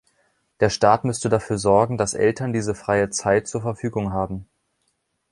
Der Staat müsste dafür sorgen, dass Eltern diese freie Zeit zur Verfügung haben.